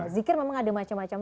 zikir memang ada macam macam